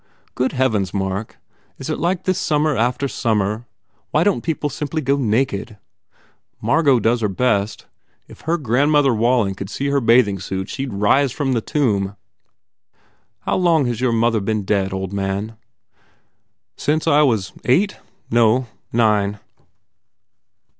Good heavens, Mark, is it like this summer after summer? Why don t people simply go naked?" "Margot does her best. If her grandmother Walling could see her bathsuit she d rise from the tomb." 184 TODGERS INTRUDES l How long has your mother been dead, old man?" "Since I was eight no, nine."